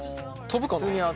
飛ぶかな？